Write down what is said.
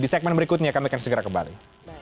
di segmen berikutnya kami akan segera kembali